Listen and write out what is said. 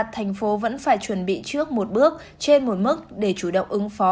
thành phố vẫn phải chuẩn bị trước một bước trên một mức để chủ động ứng phó